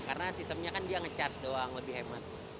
karena sistemnya kan dia nge charge doang lebih hemat